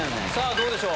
どうでしょう？